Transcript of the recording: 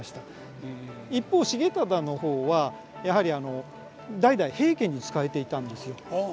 一方重忠の方はやはり代々平家に仕えていたんですよ。